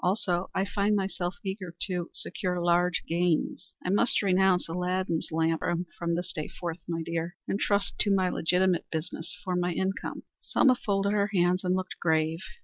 Also, I find myself eager to secure large gains. I must renounce Aladdin's lamp from this day forth, my dear, and trust to my legitimate business for my income." Selma folded her hands and looked grave.